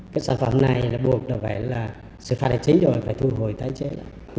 cái sản phẩm này là buộc phải là sửa phát hạch chính rồi phải thu hồi tái chế lại